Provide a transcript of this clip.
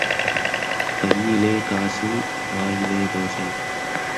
கையிலே காசு வாயிலே தோசை.